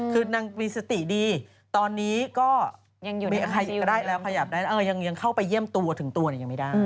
คือนางมีสติดีตอนนี้ก็ยังเข้าไปเยี่ยมตัวถึงตัวนี่ยังไม่ได้